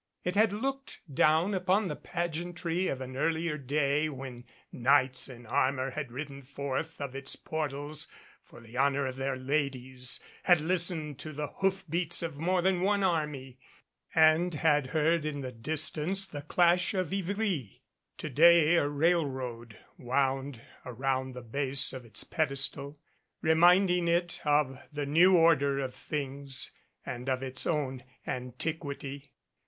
It had looked down upon the pageantry of an earlier day when knights in armor had ridden forth of its portals for the honor of their ladies, had listened to the hoof beats of more than one army, and had heard in the distance the clash of Ivry. To day a railroad wound around the base of its pedestal, reminding it of the new order of things and of its own antiquity.